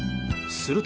すると。